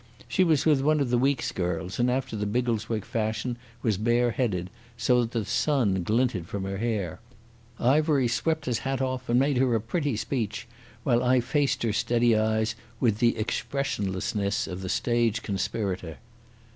She was with one of the Weekes girls, and after the Biggleswick fashion was bareheaded, so that the sun glinted from her hair. Ivery swept his hat off and made her a pretty speech, while I faced her steady eyes with the expressionlessness of the stage conspirator.